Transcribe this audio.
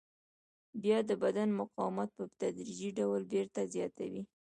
بیا د بدن مقاومت په تدریجي ډول بېرته زیاتوي.